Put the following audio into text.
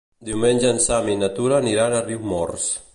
Diumenge en Sam i na Tura aniran a Riumors.